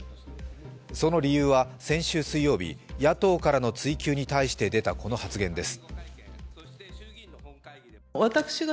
その理由は、先週水曜日野党からの追及に対して出たこの発言です。